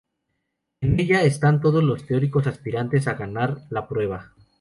En ella, están todos los teóricos aspirantes a ganar la prueba.